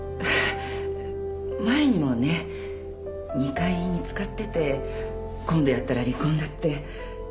前にもね２回見つかってて今度やったら離婚だって